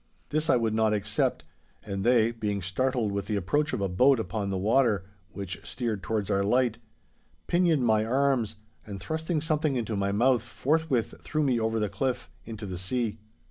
This I would not accept, and they, being startled with the approach of a boat upon the water which steered towards our light, pinioned my arms, and thrusting something into my mouth, forthwith threw me over the cliff into the sea.